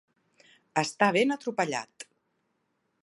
Estar ben atropellat.